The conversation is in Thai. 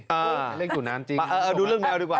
เอ้าเอ่อดูเรื่องแมวดีกว่า